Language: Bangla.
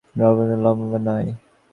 ল্যাটভিয়ার ল্যাপ্রেকনেরা সবচেয়ে লম্বা হয়।